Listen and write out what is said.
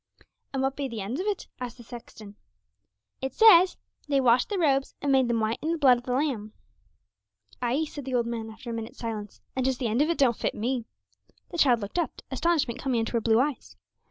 'And what be the end of it?' asked the sexton. 'It says, they washed their robes and made them white in the blood of the Lamb.' 'Ay,' said the old man, after a minute's silence, 'and 'tis the end of it don't fit me.' The child looked up, astonishment coming into her blue eyes.